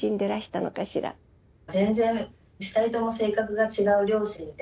全然２人とも性格が違う両親で。